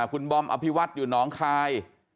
คุณบอมอภิวัตอยู่หนองคาย